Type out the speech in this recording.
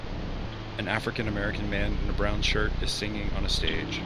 An African American man in a brown shirt is singing on a stage.